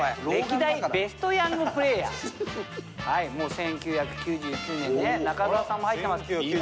１９９９年ね中澤さんも入ってます。